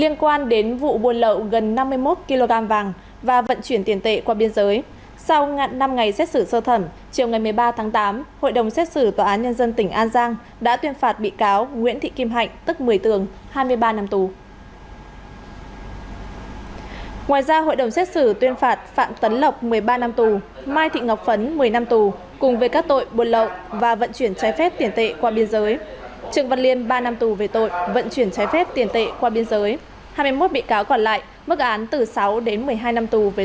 liên quan đến vụ buôn lậu gần năm mươi một kg vàng và vận chuyển tiền tệ qua biên giới sau ngạn năm ngày xét xử sơ thẩm chiều ngày một mươi ba tháng tám hội đồng xét xử tòa án nhân dân tỉnh an giang đã tuyên phạt bị can